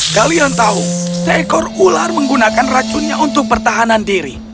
kalian tahu seekor ular menggunakan racunnya untuk pertahanan diri